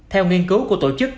theo nghiên cứu của tổ chức